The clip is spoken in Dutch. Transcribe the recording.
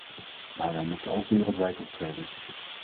Maar wij moeten ook wereldwijd optreden.